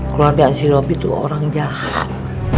keluarga nasi robi tuh orang jahat